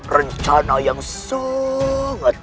rencana yang sangat